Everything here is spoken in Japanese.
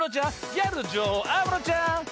ギャルの女王安室ちゃん。